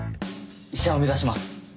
医者を目指します。